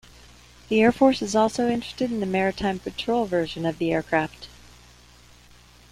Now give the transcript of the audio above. The Air Force is also interested in the maritime patrol version of the aircraft.